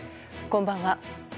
こんばんは。